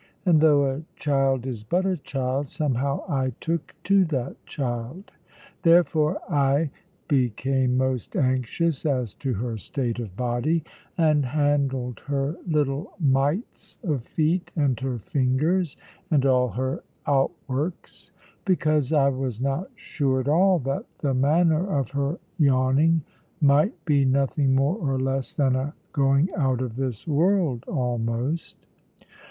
And though a child is but a child, somehow I took to that child. Therefore I became most anxious as to her state of body, and handled her little mites of feet, and her fingers, and all her outworks; because I was not sure at all that the manner of her yawning might be nothing more or less than a going out of this world almost.